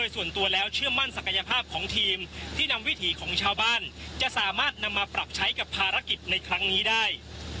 ส่วนตัวแล้วเชื่อมั่นศักยภาพของทีมที่นำวิถีของชาวบ้านจะสามารถนำมาปรับใช้กับภารกิจในครั้งนี้ได้